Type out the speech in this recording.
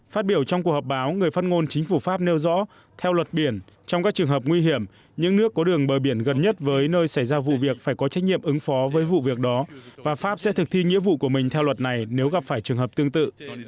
phát biểu trong cuộc họp báo người phát ngôn chính phủ pháp nêu rõ theo luật biển trong các trường hợp nguy hiểm những nước có đường bờ biển gần nhất với nơi xảy ra vụ việc phải có trách nhiệm ứng phó với vụ việc đó và pháp sẽ thực thi nghĩa vụ của mình theo luật này nếu gặp phải trường hợp tương tự